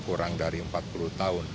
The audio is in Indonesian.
kurang dari empat puluh tahun